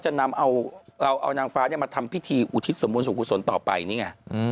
เราจะนำเอานางฟ้าเนี่ยมาทำพิธีอุทิศสมบูรณ์สรุปกศลต่อไปนี่นะ